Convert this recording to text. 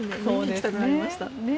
行きたくなりました。